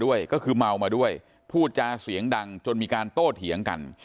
ด้วยก็คือเมามาด้วยพูดจาเสียงดังจนมีการโต้เถียงกัน